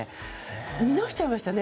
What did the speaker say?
見直しちゃいましたね。